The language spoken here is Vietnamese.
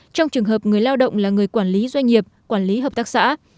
trong trường hợp người lao động là người quản lý doanh nghiệp quản lý hợp tác xã